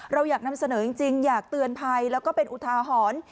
เราอยากนำเสนอจริงอยากเตือนภัยแล้วก็เป็นอุทาหรณ์